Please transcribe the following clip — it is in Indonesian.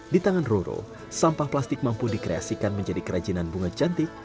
di tangan roro sampah plastik mampu dikreasikan menjadi kerajinan bunga cantik